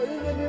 mak eh mak eh